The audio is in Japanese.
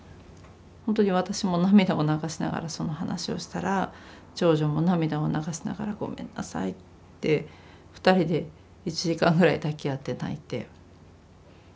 ほんとに私も涙を流しながらその話をしたら長女も涙を流しながら「ごめんなさい」って２人で１時間ぐらい抱き合って泣いて。